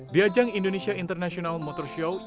diajang indonesia international motor show iea